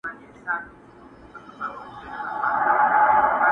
نور د ټولو كيسې ټوكي مسخرې وې،